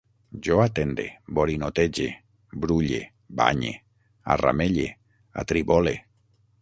Jo atende, borinotege, brulle, banye, arramelle, atribole